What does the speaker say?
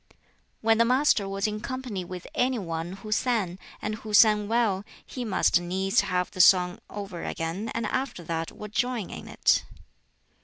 When the Master was in company with any one who sang, and who sang well, he must needs have the song over again, and after that would join in it.